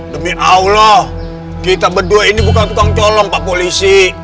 demi allah kita berdua ini bukan tukang colong pak polisi